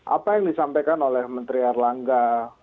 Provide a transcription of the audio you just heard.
apa yang disampaikan oleh menteri erlangga